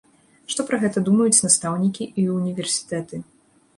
Што пра гэта думаюць настаўнікі і ўніверсітэты?